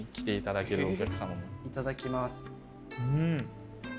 いただきます。